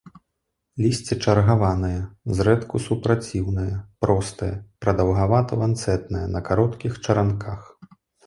Лісце чаргаванае, зрэдку супраціўнае, простае, прадаўгавата-ланцэтнае, на кароткіх чаранках.